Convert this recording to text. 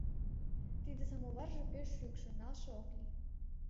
Тиде самоварже пеш шӱкшӧ, налше ок лий.